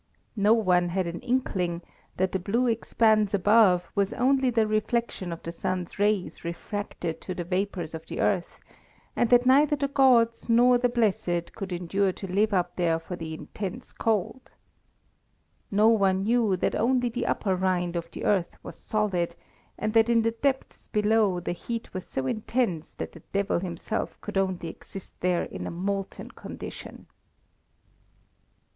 No one had an inkling that the blue expanse above was only the reflection of the sun's rays refracted through the vapours of the earth, and that neither the gods, nor the blessed, could endure to live up there for the intense cold. No one knew that only the upper rind of the earth was solid, and that in the depths below the heat was so intense that the devil himself could only exist there in a molten condition.